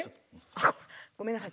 あっごめんなさい。